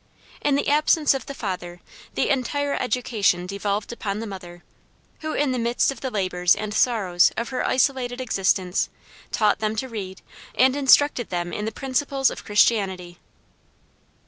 In the absence of the father the entire education devolved upon the mother, who, in the midst of the labors and sorrows of her isolated existence, taught them to read, and instructed them in the principles of Christianity.